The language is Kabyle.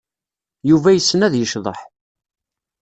Yuba yessen ad yecḍeḥ.